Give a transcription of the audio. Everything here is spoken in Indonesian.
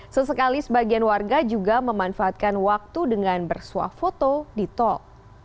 sesekali sebagian warga juga memanfaatkan waktu dengan bersuah foto di tol